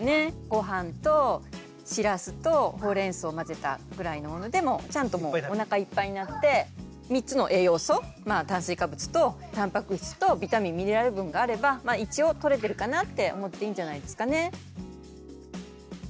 ごはんとしらすとほうれんそうを混ぜたぐらいのものでもちゃんとおなかいっぱいになって３つの栄養素炭水化物とたんぱく質とビタミン・ミネラル分があれば一応とれてるかなって思っていいんじゃないですかね。